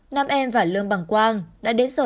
nam em và lương bằng quang đã đến sở